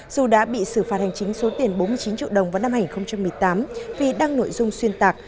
dù đã bị xử phạt hành chính số tiền bốn mươi chín triệu đồng vào năm hai nghìn một mươi tám vì đăng nội dung xuyên tạc